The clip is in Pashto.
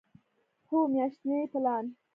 هو، میاشتنی پلان